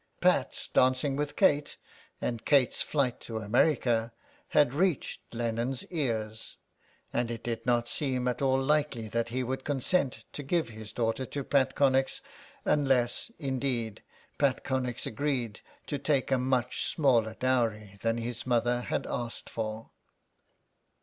Pat's dancing with Kate and Kate's flight to America had reached Lennon's ears, and it did not seem at all likely that he would consent to give his daughter to Pat Connex, unless, indeed, Pat Connex agreed to take a much smaller dowry than his mother had asked for.